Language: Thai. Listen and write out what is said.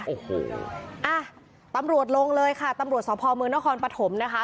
โอ้โหอ่ะตำรวจลงเลยค่ะตำรวจสพเมืองนครปฐมนะคะ